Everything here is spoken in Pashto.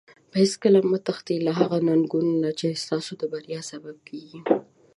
هیڅکله مه تښتي له هغو ننګونو نه چې ستاسو د بریا سبب کیږي.